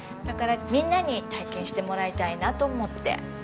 だからみんなに体験してもらいたいなと思って。